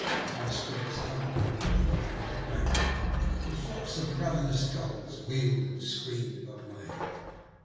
Ice floes covered the water from bank to bank, and flocks of ravenous gulls wheeled and screamed above my head.